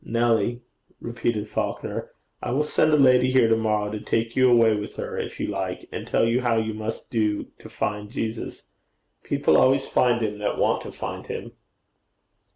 'Nelly,' repeated Falconer, 'I will send a lady here to morrow to take you away with her, if you like, and tell you how you must do to find Jesus. People always find him that want to find him.'